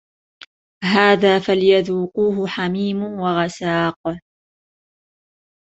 هذا فليذوقوه حميم وغساق